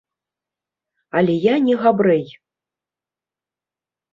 Але я не габрэй.